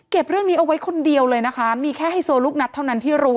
เรื่องนี้เอาไว้คนเดียวเลยนะคะมีแค่ไฮโซลูกนัดเท่านั้นที่รู้